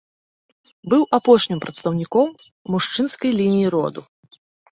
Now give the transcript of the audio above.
Быў апошнім прадстаўніком мужчынскай лініі роду.